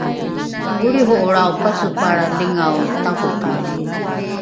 olriho’olrao pasopalra lingao takopili